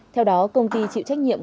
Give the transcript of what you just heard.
theo đó công ty chịu trách nhiệm